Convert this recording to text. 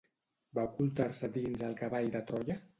Va ocultar-se dins el Cavall de Troia?